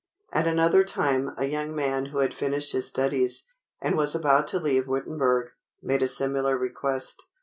At another time, a young man who had finished his studies, and was about to leave Wittenberg, made a similar request.